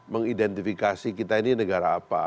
mengidentifikasi kita ini negara apa